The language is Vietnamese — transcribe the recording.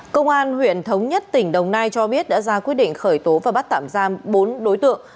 công an huyện thống nhất tỉnh đồng nai cho biết đã ra quyết định khởi tố và bắt tạm giam bốn đối tượng